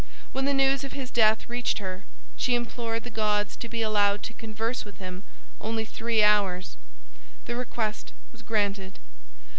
When the news of his death reached her she implored the gods to be allowed to converse with him only three hours. The request was granted.